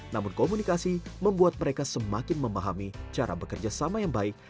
namun komunikasi membuat mereka semakin memahami cara bekerja sama yang baik